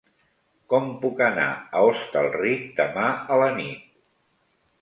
Com puc anar a Hostalric demà a la nit?